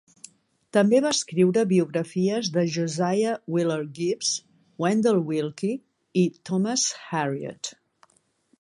També va escriure biografies de Josiah Willard Gibbs, Wendell Willkie i Thomas Harriot.